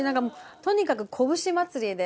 とにかくこぶし祭りで。